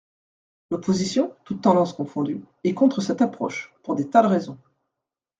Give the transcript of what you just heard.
L’opposition, toutes tendances confondues, est contre cette approche, pour des tas de raisons.